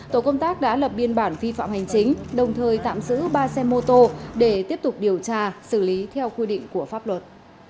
tổ công tác đã lập biên bản vi phạm hành chính đồng thời tạm giữ ba xe mô tô để tiếp tục điều tra xử lý theo quy định của pháp luật